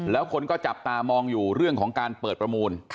แล้วคนก็จับตามองอยู่เรื่องของการเปิดประมูล